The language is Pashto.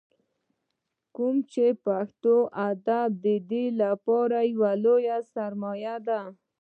کوم چې پښتو ادب دپاره يوه لويه سرمايه ده ۔